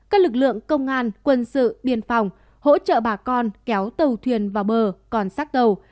các lực lượng công an quân sự biên phòng hỗ trợ bà con kéo tàu thuyền vào bờ còn sát tàu